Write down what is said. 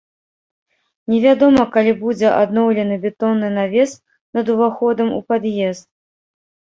Невядома калі будзе адноўлены бетонны навес над уваходам у пад'езд.